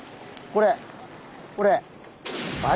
これこれ！